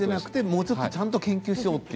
もうちょっとちゃんと研究しようと。